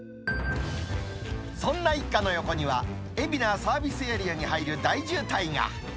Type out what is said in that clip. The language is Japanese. そんな一家の横には、海老名サービスエリアに入る大渋滞が。